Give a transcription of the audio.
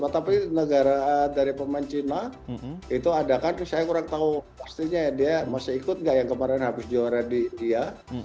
tapi negara dari pemain cina itu ada kan saya kurang tahu pastinya ya dia masih ikut nggak yang kemarin habis juara di india